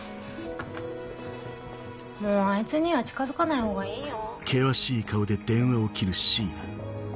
もうあいつには近づかない方がいいよ。